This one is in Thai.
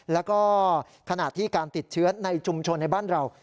แล้วก็ขณะที่การติดเชื้อในชุมชนในบ้านเรา